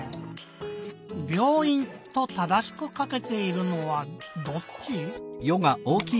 「びょういん」と正しくかけているのはどっち？